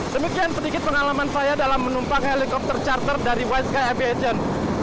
demikian sedikit pengalaman saya dalam menumpang helikopter charter dari wine sky aviation